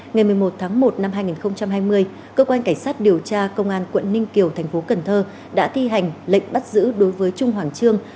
ngày một mươi một tháng một năm hai nghìn hai mươi cơ quan cảnh sát điều tra công an quận ninh kiều thành phố cần thơ đã thi hành lệnh bắt giữ đối với trung hoàng trương